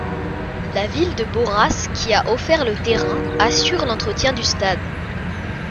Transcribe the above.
La ville de Borås qui a offert le terrain assure l'entretien du stade.